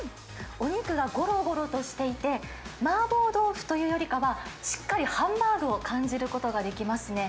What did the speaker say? お肉がごろごろとしていて、マーボー豆腐というよりかは、しっかりハンバーグを感じることができますね。